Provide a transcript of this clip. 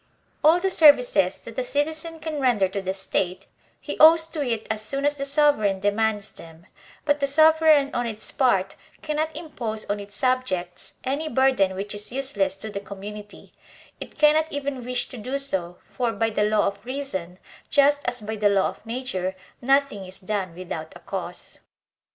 All the services that a citizen can render to the State he owes to it as soon as the sovereign demands them; but the sovereign on its part, cannot impose on its sub jects any burden which is useless to the community; it cannot even wish to do so, for, by the law of reason, just as by the law of nature, nothing is done without a cause.